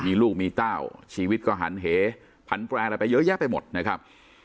มีลูกมีเต้าชีวิตก็หันเหพันแปรอะไรไปเยอะแยะไปหมดนะครับ